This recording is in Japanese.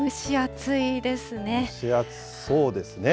蒸し暑そうですね。